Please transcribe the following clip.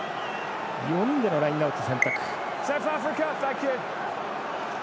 ４人でのラインアウト選択。